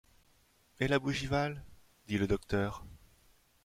Et la Bougival ?... dit le docteur.